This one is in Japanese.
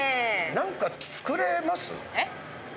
何か作れます？えっ？